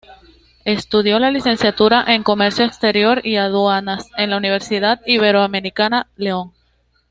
Estudió la Licenciatura en Comercio Exterior y Aduanas en la Universidad Iberoamericana León.